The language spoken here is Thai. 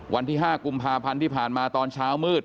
วันที่๕กุมภาพันธ์ที่ผ่านมาตอนเช้ามืด